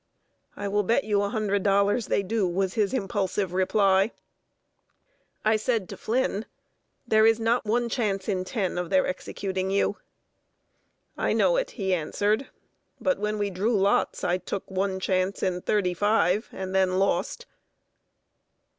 "I will bet you a hundred dollars they do!" was his impulsive reply. I said to Flynn "There is not one chance in ten of their executing you." "I know it," he answered. "But, when we drew lots, I took one chance in thirty five, and then lost!"